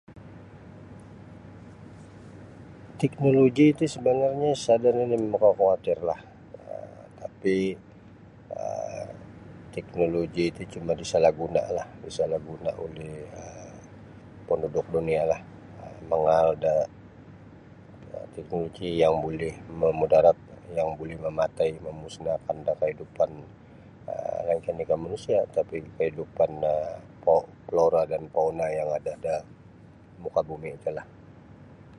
Teknologi ti sabanarnya sada nini makakuatirlah um tapi teknologi ti cuma disalah guna lah disalah guna oleh penduduk dunia lah mangaal da teknologi yang boleh mamudarat yang buli mamatai mamusnahkan da kahidupan um lain ka lagi da manusia tapi kehidupanno flora dan fauna yang ada da muka bumi ti lah.